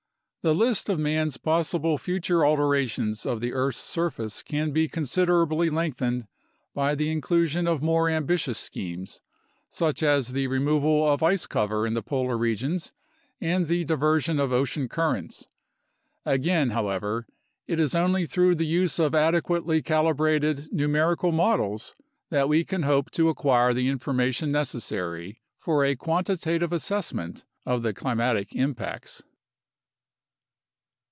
The list of man's possible future alterations of the earth's surface can be considerably lengthened by the inclusion of more ambitious schemes, such as the removal of ice cover in the polar regions and the diversion of ocean currents. Again, how ever, it is only through the use of adequately calibrated numerical models that we can hope to acquire the information necessary for a quantitative assessment of the climatic impacts.